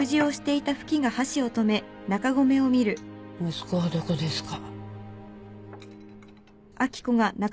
息子はどこですか？